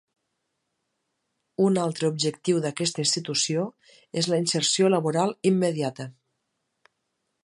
Un altre objectiu d'aquesta institució és la inserció laboral immediata.